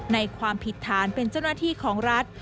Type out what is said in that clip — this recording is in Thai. ความผิดฐานเป็นเจ้าหน้าที่ของรัฐ